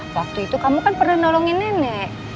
waktu itu kamu kan pernah nolongin nenek